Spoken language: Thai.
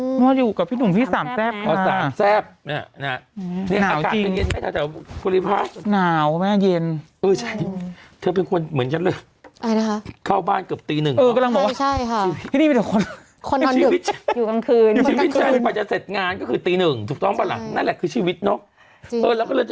เพราะว่าอยู่กับพี่หนุ่มพี่สามแซบมาครับอ๋อสามแซบนี่นี่นี่อากาศมักเย็นมาจาก